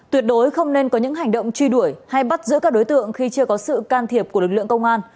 tuyệt đối không nên có những hành động truy đuổi hay bắt giữ các đối tượng khi chưa có sự can thiệp của lực lượng công an